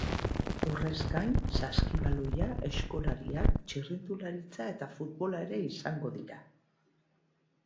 Horrez gain, saskibaloia, aizkolariak, txirrindularitza eta futbola ere izango dira.